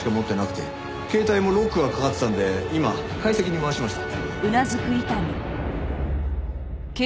携帯もロックがかかってたんで今解析に回しました。